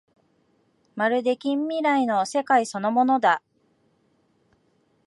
まるで近未来の世界そのものだ